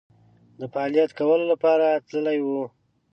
د فعالیت کولو لپاره تللي وو.